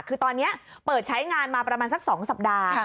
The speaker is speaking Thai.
คือตอนนี้เปิดใช้งานมาประมาณสัก๒สัปดาห์